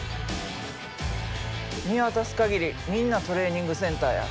見渡す限りみんなトレーニングセンターや。